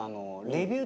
レビュー。